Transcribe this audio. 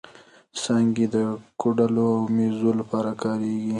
څانګې یې د کوډلو او مېزو لپاره کارېږي.